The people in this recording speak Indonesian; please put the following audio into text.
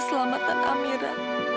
selamat pagi amira